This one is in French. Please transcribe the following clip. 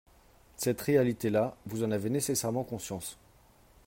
Cette réalité-là, vous en avez nécessairement conscience.